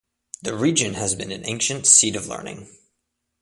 The region has been an ancient seat of learning.